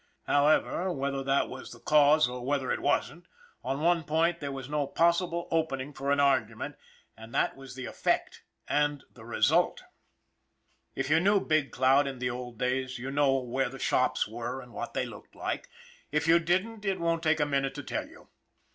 However, whether that was the cause or whether it wasn't, on one point there was no possible opening for an argument and that was the effect and the result. If you knew Big Cloud in the old days, you know where the shops were and what they looked like; if THE BLOOD OF KINGS 199 you didn't, it won't take a minute to tell you.